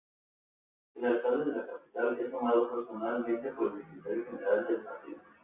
El alcalde de la capital es nombrado personalmente por el Secretario General del Partido.